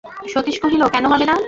সতীশ কহিল, কেন হবে না?